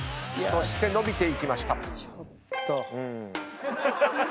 そして伸びていきました。